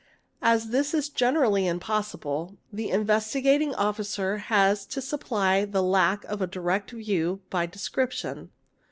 As this is generally impossible, the Investigating Officer has to supply the lack of the direct view by description.